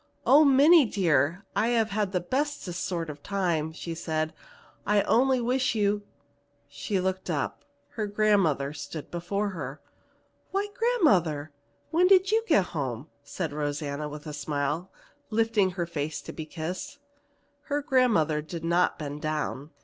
"Oh, Minnie dear, I have had the bestest sort of a time!" she said. "I only wish you " She looked up. Her grandmother stood before her. "Why, grandmother, when did you get home?" said Rosanna with a smile, lifting her face to be kissed. Her grandmother did not bend down.